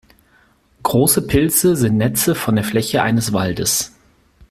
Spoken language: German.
Große Pilze sind Netze von der Fläche eines Waldes.